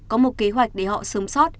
có một kế hoạch để họ sớm sót